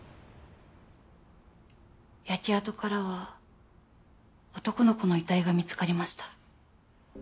焼け跡からは男の子の遺体が見つかりました。